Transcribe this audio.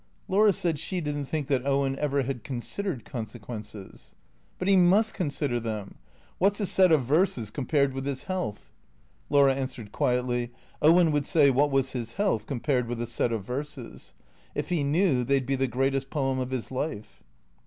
Laura said she didn't think that Owen ever had considered consequences. " But he must consider them. What 's a set of verses com pared with his health ?" Laura answered quietly, " Owen would say what was his health compared with a set of verses ? If he knew they 'd be the great est poem of his life."